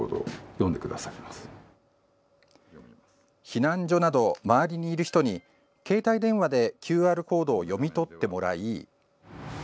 避難所など周りにいる人に携帯電話でＱＲコードを読み取ってもらい。